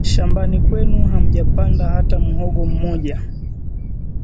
Shambani kwenu hamjapanda hata mhogo mmoja